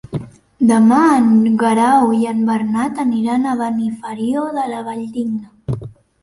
Demà en Guerau i en Bernat aniran a Benifairó de la Valldigna.